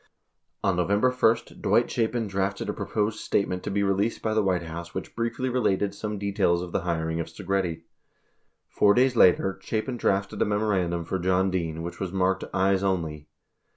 4 On November 1, Dwight Chapin drafted a proposed statement to be released by the White House which briefly related some details of the hiring of Segretti. Four days later, Chapin drafted a memorandum for John Dean which was marked "eyes only."